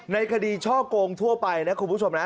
ในคดีช่อกงทั่วไปนะคุณผู้ชมนะ